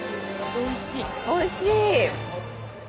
おいしい！